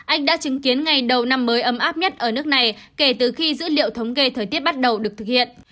anh đã chứng kiến ngày đầu năm mới ấm áp nhất ở nước này kể từ khi dữ liệu thống kê thời tiết bắt đầu được thực hiện